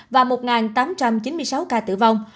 và một tám trăm chín mươi sáu ca tử vong